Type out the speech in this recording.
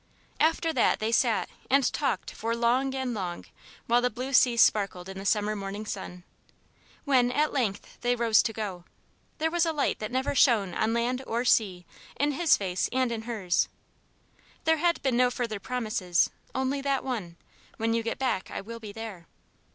After that they sat and talked for long and long, while the blue sea sparkled in the summer morning sun. When, at length, they rose to go, there was a light that never shone on land or sea in his face and in hers. There had been no further promises; only that one: "When you get back I will be there."